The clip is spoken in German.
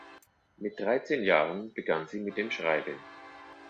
Mit dreizehn Jahren begann sie mit dem Schreiben.